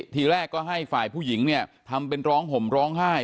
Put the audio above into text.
ทีแรกก็ให้ฝ่ายผู้หญิงเนี่ยทำเป็นร้องห่มร้องไห้